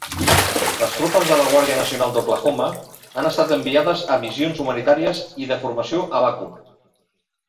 Les tropes de la Guàrdia Nacional d'Oklahoma han estat enviades a missions humanitàries i de formació a Baku.